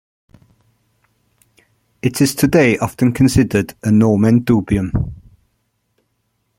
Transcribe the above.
It is today often considered a "nomen dubium".